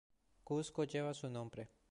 Cuzco lleva su nombre.